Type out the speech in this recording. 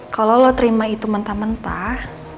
kalau lo terima itu mentah mentah